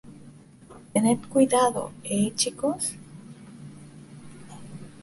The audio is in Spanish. tened cuidado, ¿ eh, chicos?